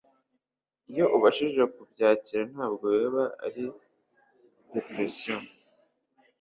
iyo ubashije kubyakira ntabwo biba ari depression.